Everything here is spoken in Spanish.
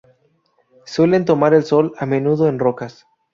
Suelen tomar el Sol a menudo en rocas.